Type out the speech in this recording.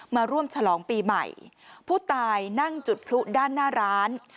มาร่วมฉลองปีใหม่ผู้ตายนั่งจุดพลุด้านหน้าร้าน